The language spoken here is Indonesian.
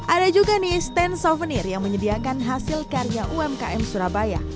ada juga nih stand souvenir yang menyediakan hasil karya umkm surabaya